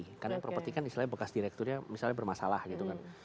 karena yang properti kan misalnya bekas direkturnya misalnya bermasalah gitu kan